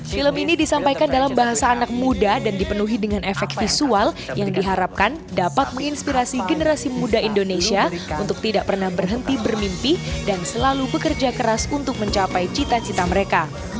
film ini disampaikan dalam bahasa anak muda dan dipenuhi dengan efek visual yang diharapkan dapat menginspirasi generasi muda indonesia untuk tidak pernah berhenti bermimpi dan selalu bekerja keras untuk mencapai cita cita mereka